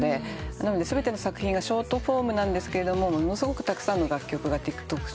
なので全ての作品がショートフォームなんですけどものすごくたくさんの楽曲がＴｉｋＴｏｋ上にありまして。